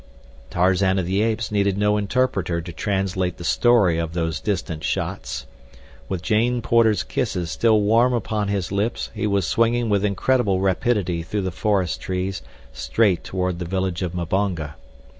Tarzan of the Apes needed no interpreter to translate the story of those distant shots. With Jane Porter's kisses still warm upon his lips he was swinging with incredible rapidity through the forest trees straight toward the village of Mbonga.